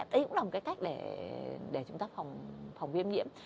đây cũng là một cái cách để chúng ta phòng viêm nhiễm